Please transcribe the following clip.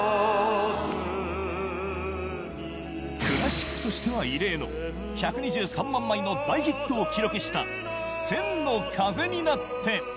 クラシックとしては異例の１２３万枚の大ヒットを記録した『千の風になって』